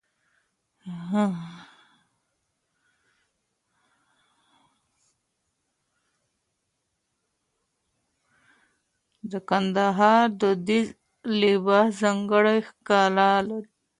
د کندهار دودیز لباس ځانګړی ښکلا لري.